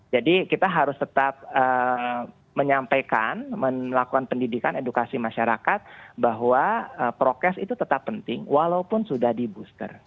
jadi kita harus tetap menyampaikan melakukan pendidikan edukasi masyarakat bahwa prokes itu tetap penting walaupun sudah di booster